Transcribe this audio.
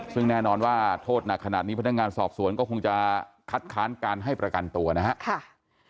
ซึ่งแน่นอนว่าโทษหนักขนาดนี้พนักงานสอบสวนก็คงจะคัดค้านการให้ประกันตัวนะครับ